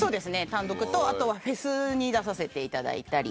単独とフェスに出させていただいたり。